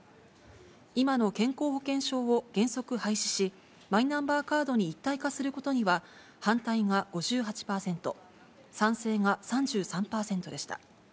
今の健康保険証を原則廃止し、マイナンバーカードに一体化することには、反対が５８％、賛成が３３％でした。